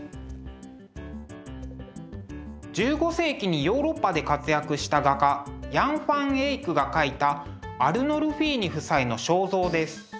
１５世紀にヨーロッパで活躍した画家ヤン・ファン・エイクが描いた「アルノルフィーニ夫妻の肖像」です。